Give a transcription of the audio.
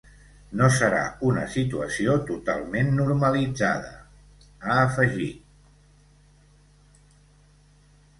No serà una situació totalment normalitzada, ha afegit.